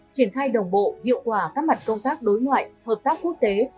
triển khai đồng bộ hiệu quả các mặt công tác đối ngoại hợp tác quốc tế